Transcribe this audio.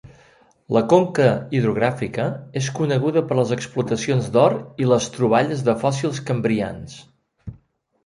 La conca hidrogràfica és coneguda per les explotacions d'or i les troballes de fòssils cambrians.